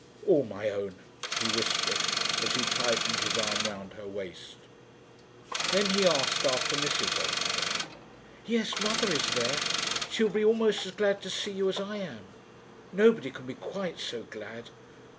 "All my own," he whispered as he tightened his arm round her waist. Then he asked after Mrs. O'Hara. "Yes; mother is there. She will be almost as glad to see you as I am. Nobody can be quite so glad.